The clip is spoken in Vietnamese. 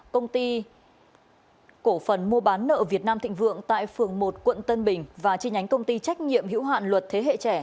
công ty cổ phần mua bán nợ việt nam thịnh vượng tại phường một quận tân bình và chi nhánh công ty trách nhiệm hữu hạn luật thế hệ trẻ